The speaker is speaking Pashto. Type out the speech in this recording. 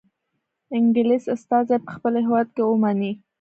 انګلیس استازی په خپل هیواد کې ومنئ.